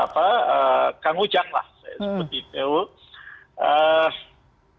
pak kang ujang lah saya sebutin itu